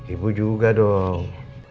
ibu juga dong